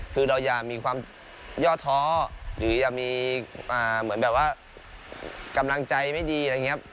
คือเราอย่ามีความย่อท้อหรืออย่ามีเหมือนแบบว่ากำลังใจไม่ดีอะไรอย่างนี้